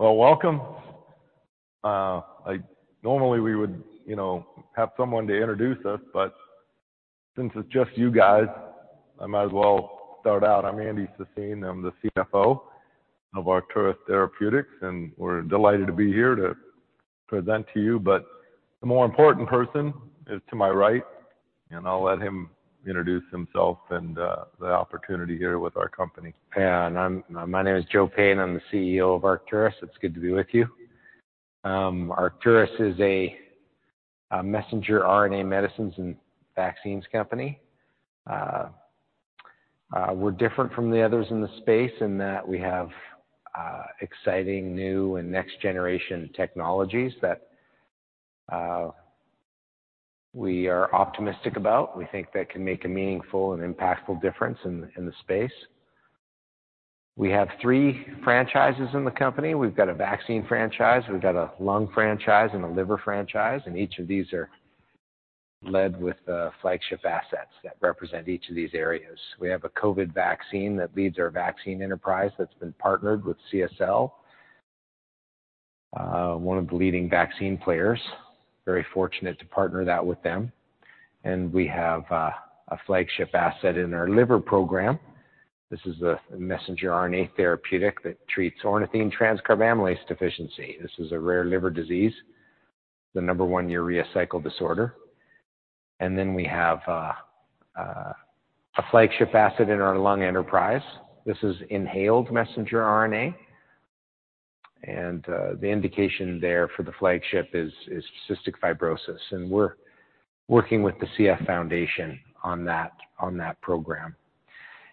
Well, welcome. Normally we would, you know, have someone to introduce us, but since it's just you guys, I might as well start out. I'm Andy Sassine, I'm the CFO of Arcturus Therapeutics, and we're delighted to be here to present to you. But the more important person is to my right, and I'll let him introduce himself and the opportunity here with our company. My name is Joe Payne. I'm the CEO of Arcturus. It's good to be with you. Arcturus is a messenger RNA medicines and vaccines company. We're different from the others in the space in that we have exciting, new, and next-generation technologies that we are optimistic about. We think that can make a meaningful and impactful difference in the space. We have three franchises in the company. We've got a vaccine franchise, we've got a lung franchise, and a liver franchise, and each of these are led with flagship assets that represent each of these areas. We have a COVID vaccine that leads our vaccine enterprise that's been partnered with CSL, one of the leading vaccine players. Very fortunate to partner that with them. And we have a flagship asset in our liver program. This is a messenger RNA therapeutic that treats ornithine transcarbamylase deficiency. This is a rare liver disease, the number one urea cycle disorder. And then we have a flagship asset in our lung enterprise. This is inhaled messenger RNA, and the indication there for the flagship is cystic fibrosis, and we're working with the CF Foundation on that program.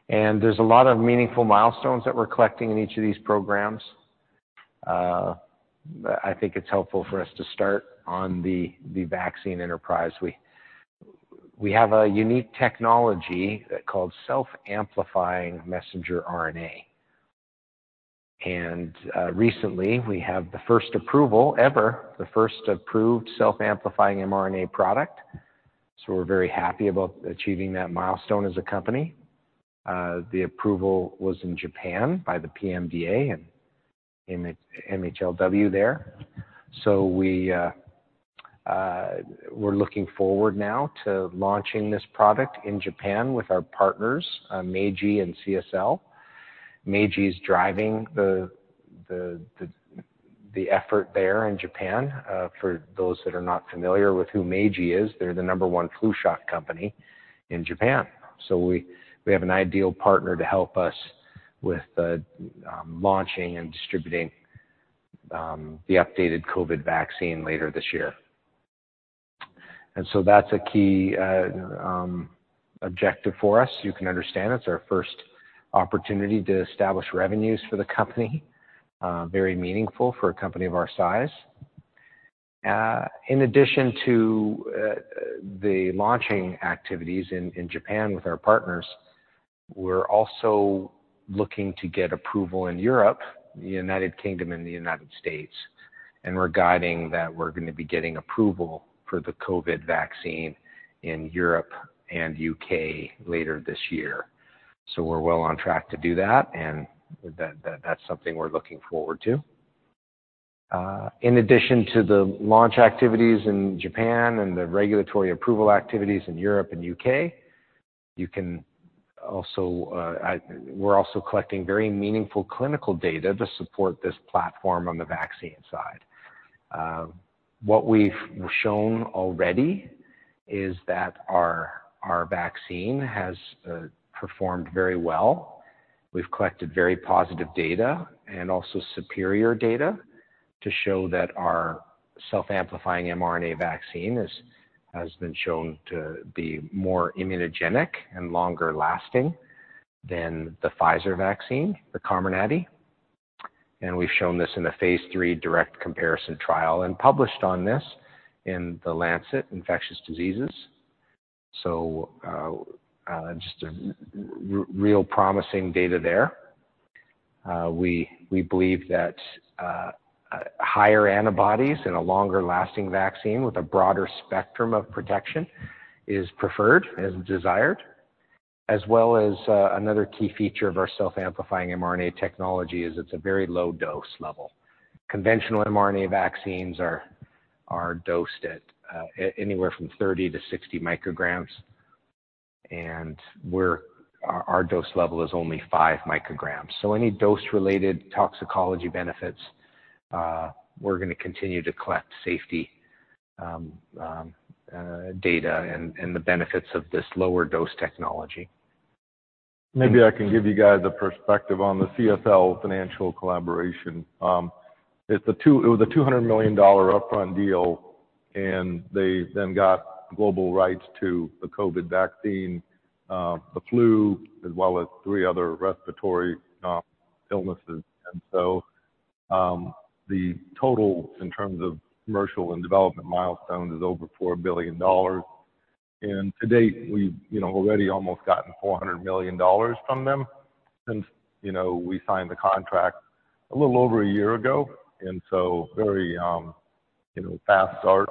And there's a lot of meaningful milestones that we're collecting in each of these programs. But I think it's helpful for us to start on the vaccine enterprise. We have a unique technology called self-amplifying messenger RNA. And recently, we have the first approval ever, the first approved self-amplifying mRNA product, so we're very happy about achieving that milestone as a company. The approval was in Japan by the PMDA and MHLW there. So we're looking forward now to launching this product in Japan with our partners, Meiji and CSL. Meiji is driving the effort there in Japan. For those that are not familiar with who Meiji is, they're the number one flu shot company in Japan. So we have an ideal partner to help us with the launching and distributing the updated COVID vaccine later this year. And so that's a key objective for us. You can understand it's our first opportunity to establish revenues for the company. Very meaningful for a company of our size. In addition to the launching activities in Japan with our partners, we're also looking to get approval in Europe, the U.K, and the U.S, and we're guiding that we're going to be getting approval for the COVID vaccine in Europe and U.K. later this year. So we're well on track to do that, and that's something we're looking forward to. In addition to the launch activities in Japan and the regulatory approval activities in Europe and U.K., we're also collecting very meaningful clinical data to support this platform on the vaccine side. What we've shown already is that our vaccine has performed very well. We've collected very positive data and also superior data to show that our self-amplifying mRNA vaccine has been shown to be more immunogenic and longer lasting than the Pfizer vaccine, the Comirnaty. And we've shown this in a phase 3 direct comparison trial and published on this in The Lancet Infectious Diseases. So, just a real promising data there. We believe that higher antibodies and a longer-lasting vaccine with a broader spectrum of protection is preferred and desired, as well as another key feature of our self-amplifying mRNA technology is it's a very low dose level. Conventional mRNA vaccines are dosed at anywhere from 30-60 micrograms, and our dose level is only 5 microgram. So any dose-related toxicology benefits, we're going to continue to collect safety data and the benefits of this lower dose technology. Maybe I can give you guys a perspective on the CSL financial collaboration. It was a $200 million upfront deal, and they then got global rights to the COVID vaccine, the flu, as well as three other respiratory illnesses. And so, the total in terms of commercial and development milestones is over $4 billion. And to date, we've, you know, already almost gotten $400 million from them since, you know, we signed the contract a little over a year ago, and so very, you know, fast start.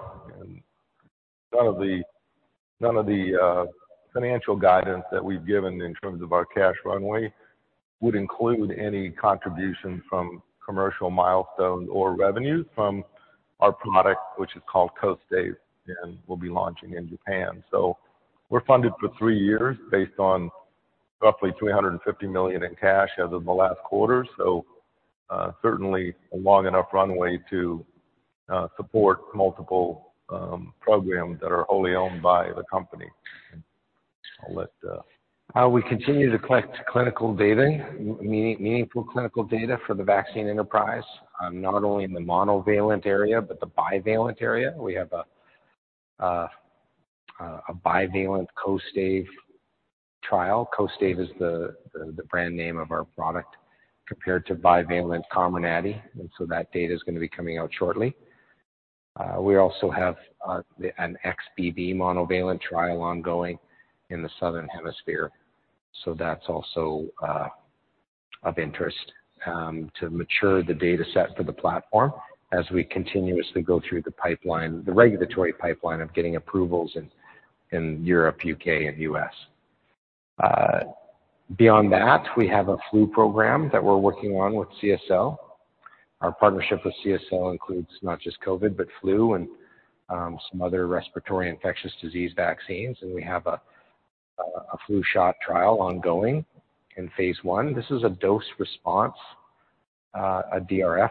None of the financial guidance that we've given in terms of our cash runway would include any contribution from commercial milestones or revenues from our product, which is called Kostaive, and we'll be launching in Japan. So we're funded for three years based on roughly $350 million in cash as of the last quarter. So, certainly a long enough runway to support multiple programs that are wholly owned by the company. I'll let- We continue to collect clinical data, meaningful clinical data for the vaccine enterprise, not only in the monovalent area but the bivalent area. We have a bivalent Kostaive trial. Kostaive is the brand name of our product, compared to bivalent Comirnaty, and so that data is going to be coming out shortly. We also have an XBB monovalent trial ongoing in the Southern Hemisphere, so that's also of interest to mature the data set for the platform as we continuously go through the pipeline, the regulatory pipeline of getting approvals in Europe, U.K., and U.S. Beyond that, we have a flu program that we're working on with CSL. Our partnership with CSL includes not just COVID, but flu and some other respiratory infectious disease vaccines, and we have a flu shot trial ongoing in phase one. This is a dose response, a DRF.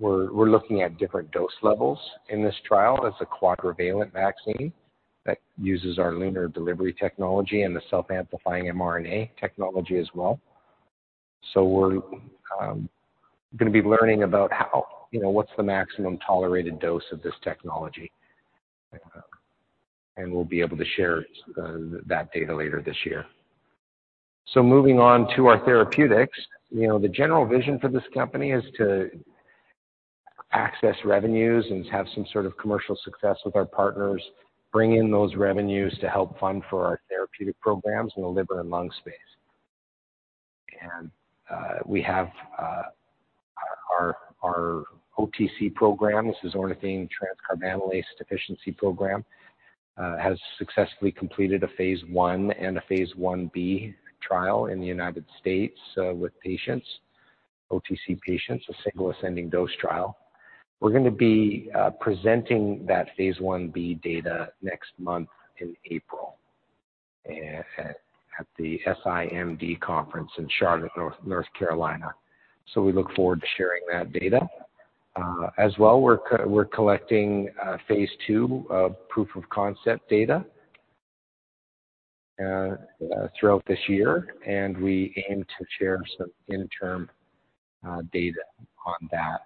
We're looking at different dose levels in this trial. It's a quadrivalent vaccine that uses our LUNAR delivery technology and the self-amplifying mRNA technology as well. So we're going to be learning about how you know what's the maximum tolerated dose of this technology? And we'll be able to share that data later this year. So moving on to our therapeutics. You know, the general vision for this company is to access revenues and have some sort of commercial success with our partners, bring in those revenues to help fund for our therapeutic programs in the liver and lung space. And we have our OTC program. This is ornithine transcarbamylase deficiency program has successfully completed a phase 1 and a phase 1b trial in the United States with patients, OTC patients, a single ascending dose trial. We're going to be presenting that phase 1b data next month in April at the SIMD conference in Charlotte, North Carolina. So we look forward to sharing that data. As well, we're collecting phase 2 proof-of-concept data throughout this year, and we aim to share some interim data on that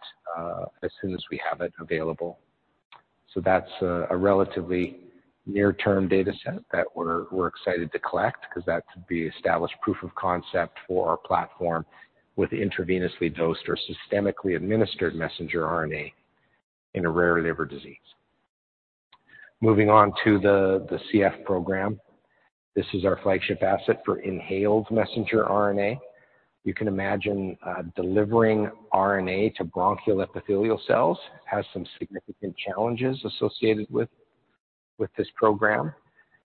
as soon as we have it available. So that's a relatively near-term data set that we're excited to collect because that's the established proof of concept for our platform with intravenously dosed or systemically administered messenger RNA in a rare liver disease. Moving on to the CF program. This is our flagship asset for inhaled messenger RNA. You can imagine, delivering RNA to bronchial epithelial cells has some significant challenges associated with this program.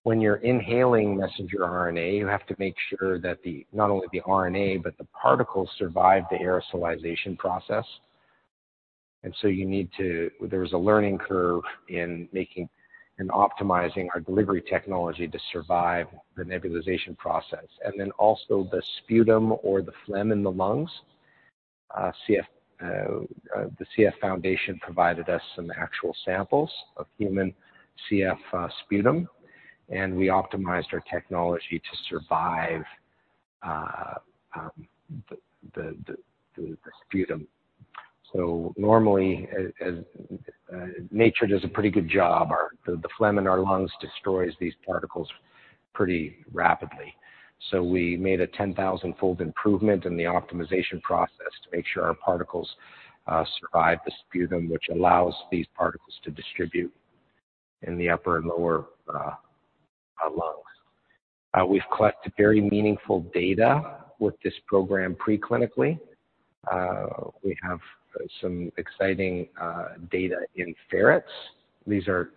When you're inhaling messenger RNA, you have to make sure that not only the RNA, but the particles survive the aerosolization process. And so you need to... There's a learning curve in making and optimizing our delivery technology to survive the nebulization process, and then also the sputum or the phlegm in the lungs. The CF Foundation provided us some actual samples of human CF sputum, and we optimized our technology to survive the sputum. So normally, as nature does a pretty good job, the phlegm in our lungs destroys these particles pretty rapidly. So we made a 10,000-fold improvement in the optimization process to make sure our particles survive the sputum, which allows these particles to distribute in the upper and lower lungs. We've collected very meaningful data with this program preclinically. We have some exciting data in ferrets. These are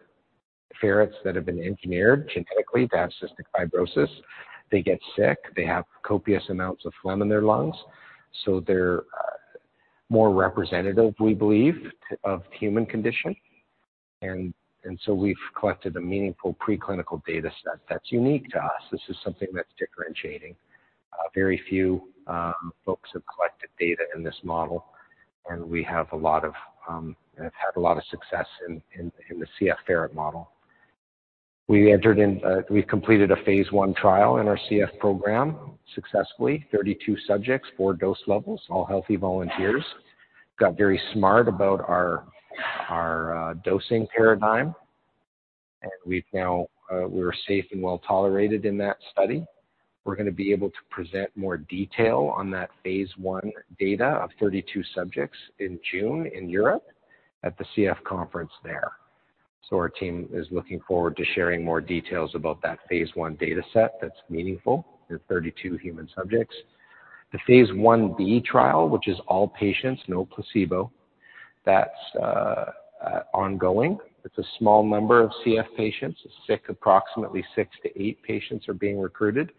ferrets that have been engineered genetically to have cystic fibrosis. They get sick, they have copious amounts of phlegm in their lungs, so they're more representative, we believe, of the human condition. And so we've collected a meaningful preclinical data set that's unique to us. This is something that's differentiating. Very few folks have collected data in this model, and we have had a lot of success in the CF ferret model. We entered in, we completed a phase 1 trial in our CF program successfully, 32 subjects, four dose levels, all healthy volunteers. Got very smart about our dosing paradigm, and we're safe and well tolerated in that study. We're going to be able to present more detail on that phase 1 data of 32 subjects in June in Europe at the CF conference there. So our team is looking forward to sharing more details about that phase 1 data set that's meaningful in 32 human subjects. The phase 1b trial, which is all patients, no placebo, that's ongoing. It's a small number of CF patients, approximately 6-8 patients are being recruited,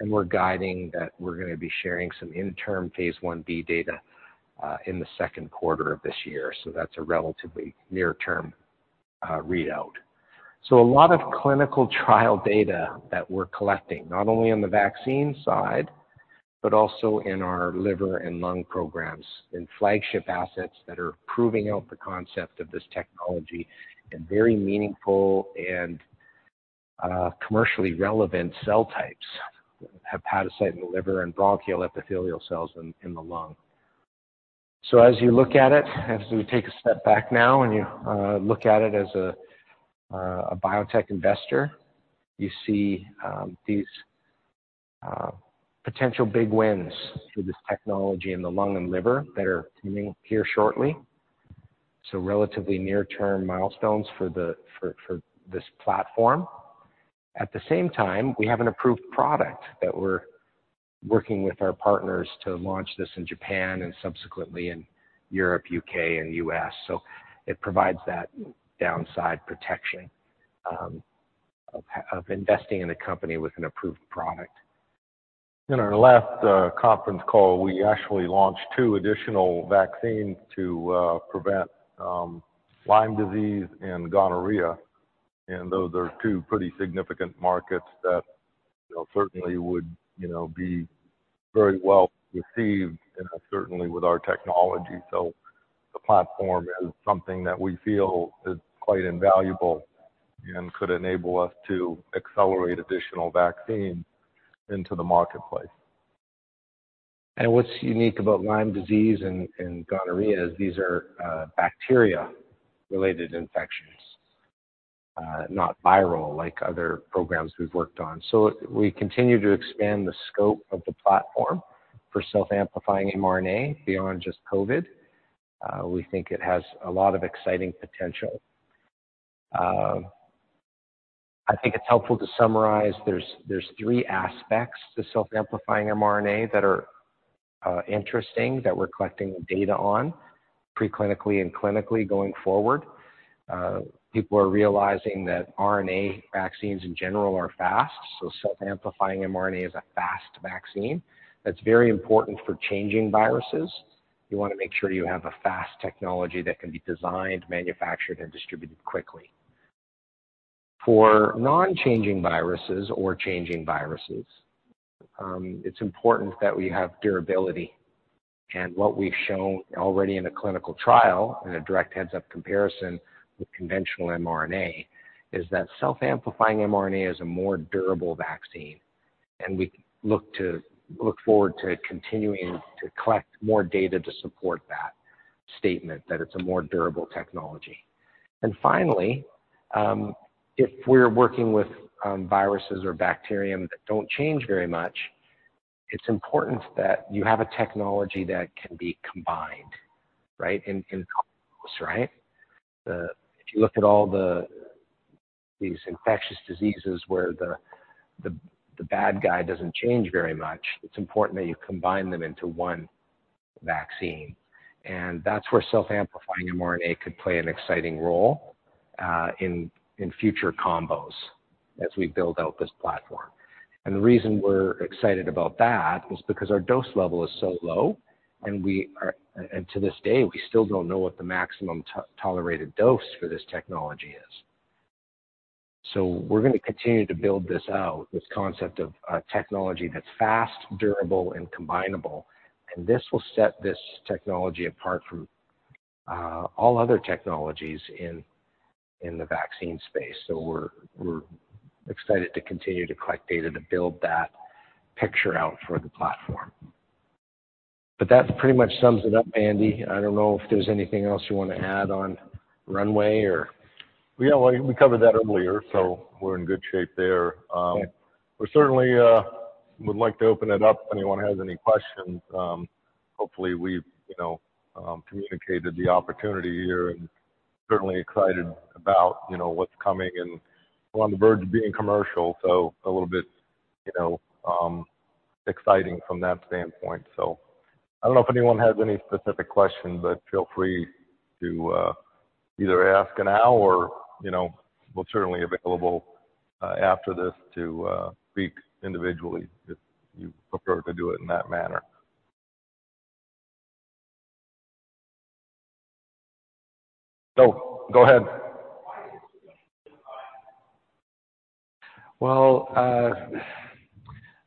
and we're guiding that we're gonna be sharing some interim phase 1b data in the second quarter of this year. So that's a relatively near-term readout. So a lot of clinical trial data that we're collecting, not only on the vaccine side, but also in our liver and lung programs, in flagship assets that are proving out the concept of this technology in very meaningful and commercially relevant cell types, hepatocyte in the liver and bronchial epithelial cells in the lung. So as you look at it, as we take a step back now and you look at it as a biotech investor, you see these potential big wins through this technology in the lung and liver that are coming here shortly. So relatively near-term milestones for this platform. At the same time, we have an approved product that we're working with our partners to launch this in Japan and subsequently in Europe, U.K., and U.S. It provides that downside protection, of investing in a company with an approved product. In our last conference call, we actually launched two additional vaccines to prevent Lyme disease and gonorrhea, and those are two pretty significant markets that, you know, certainly would, you know, be very well received, and certainly with our technology. So the platform is something that we feel is quite invaluable and could enable us to accelerate additional vaccines into the marketplace. What's unique about Lyme disease and gonorrhea is these are bacteria-related infections, not viral like other programs we've worked on. So we continue to expand the scope of the platform for self-amplifying mRNA beyond just COVID. We think it has a lot of exciting potential. I think it's helpful to summarize. There's three aspects to self-amplifying mRNA that are interesting, that we're collecting the data on preclinically and clinically going forward. People are realizing that RNA vaccines in general are fast, so self-amplifying mRNA is a fast vaccine. That's very important for changing viruses. You want to make sure you have a fast technology that can be designed, manufactured, and distributed quickly. For non-changing viruses or changing viruses, it's important that we have durability. And what we've shown already in a clinical trial, in a direct heads-up comparison with conventional mRNA, is that self-amplifying mRNA is a more durable vaccine, and we look forward to continuing to collect more data to support that statement, that it's a more durable technology. And finally, if we're working with viruses or bacterium that don't change very much, it's important that you have a technology that can be combined, right? If you look at all these infectious diseases where the bad guy doesn't change very much, it's important that you combine them into one vaccine. And that's where self-amplifying mRNA could play an exciting role in future combos as we build out this platform. And the reason we're excited about that is because our dose level is so low, and we are, and to this day, we still don't know what the maximum tolerated dose for this technology is. So we're gonna continue to build this out, this concept of a technology that's fast, durable, and combinable, and this will set this technology apart from all other technologies in the vaccine space. So we're excited to continue to collect data to build that picture out for the platform. But that pretty much sums it up, Andy. I don't know if there's anything else you want to add on runway or? Yeah, well, we covered that earlier, so we're in good shape there. Okay. We certainly would like to open it up if anyone has any questions. Hopefully, we've, you know, communicated the opportunity here and certainly excited about, you know, what's coming and we're on the verge of being commercial, so a little bit, you know, exciting from that standpoint. So I don't know if anyone has any specific questions, but feel free to either ask now or, you know, we're certainly available after this to speak individually if you prefer to do it in that manner. So go ahead. Well,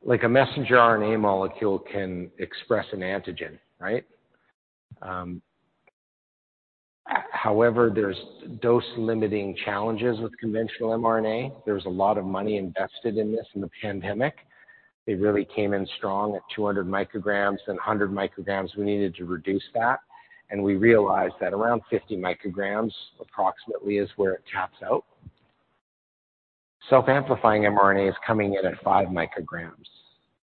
like a messenger RNA molecule can express an antigen, right? However, there's dose-limiting challenges with conventional mRNA. There's a lot of money invested in this in the pandemic. It really came in strong at 200 micrograms and 100 micrograms. We needed to reduce that, and we realized that around 50 micrograms approximately, is where it taps out. Self-amplifying mRNA is coming in at 5 micrograms,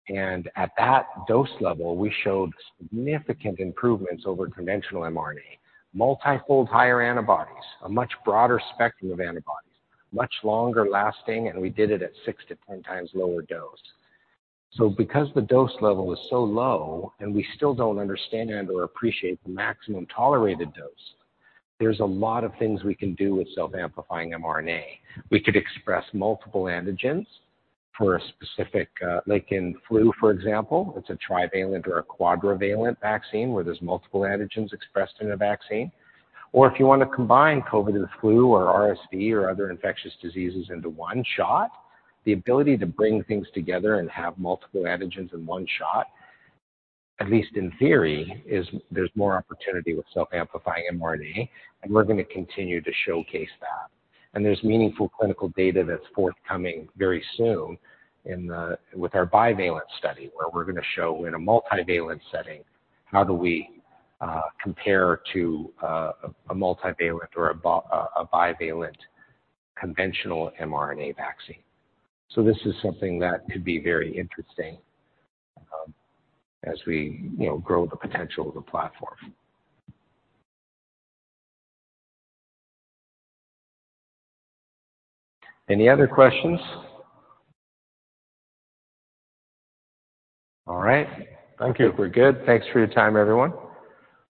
and at that dose level, we showed significant improvements over conventional mRNA. Multifold higher antibodies, a much broader spectrum of antibodies, much longer lasting, and we did it at 6-10 times lower dose. So because the dose level is so low and we still don't understand and/or appreciate the maximum tolerated dose, there's a lot of things we can do with self-amplifying mRNA. We could express multiple antigens for a specific, like in flu, for example, it's a trivalent or a quadrivalent vaccine, where there's multiple antigens expressed in a vaccine. Or if you want to combine COVID with flu or RSV or other infectious diseases into one shot, the ability to bring things together and have multiple antigens in one shot, at least in theory, is there's more opportunity with self-amplifying mRNA, and we're going to continue to showcase that. And there's meaningful clinical data that's forthcoming very soon in the, with our bivalent study, where we're going to show in a multivalent setting, how do we compare to a multivalent or a bivalent conventional mRNA vaccine? So this is something that could be very interesting, as we, you know, grow the potential of the platform. Any other questions? All right. Thank you. I think we're good. Thanks for your time, everyone.